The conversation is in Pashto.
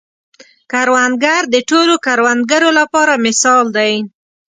کروندګر د ټولو کروندګرو لپاره مثال دی